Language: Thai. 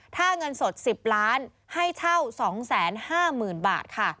ถ้าเงินสด๑๐ล้านให้เช่า๒๕๐๐๐บาทค่ะ